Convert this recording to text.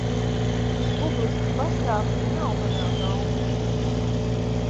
Publiski pasākumi nav manā gaumē!